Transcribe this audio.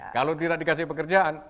kalau tidak dikasih pekerjaan